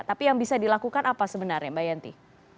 tapi yang bisa dilakukan apa sebenarnya mbak yanti